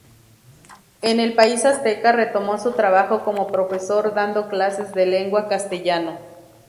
En el país azteca retomó su trabajo como profesor dando clases de lengua castellano.